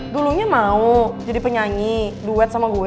dulunya mau jadi penyanyi duet sama gue